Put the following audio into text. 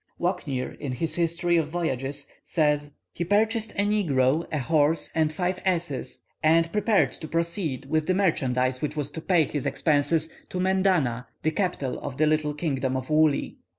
Walknaer, in his "History of Voyages," says, "He purchased a negro, a horse, and five asses, and prepared to proceed with the merchandise which was to pay his expenses to Mendana, the capital of the little kingdom of Woolli.